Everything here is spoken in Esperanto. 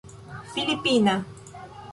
filipina